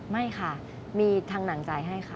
ไม่ค่ะมีทางหนังจ่ายให้ค่ะ